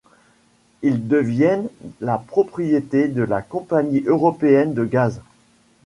Ils deviennent la propriété de la Compagnie Européenne de Gaz.